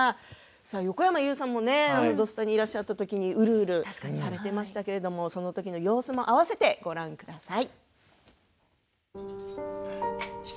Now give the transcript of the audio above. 横山裕さんが「土スタ」にいらっしゃった時にうるうるされていましたけれどもその時の様子も合わせてご覧ください。